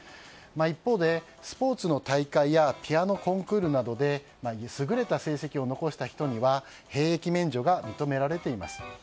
一方でスポーツの大会やピアノコンクールなどで優れた成績を残した人には兵役免除が認められています。